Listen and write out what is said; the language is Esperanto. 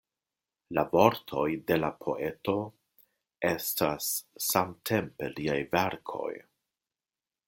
La vortoj de la poeto estas samtempe liaj verkoj.